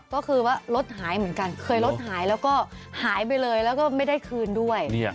ก็คือว่ารถหายเหมือนกันเคยรถหายแล้วก็หายไปเลยแล้วก็ไม่ได้คืนด้วย